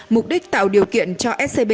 mục đích tạo điều kiện cho scb